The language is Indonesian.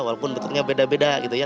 walaupun bentuknya beda beda gitu ya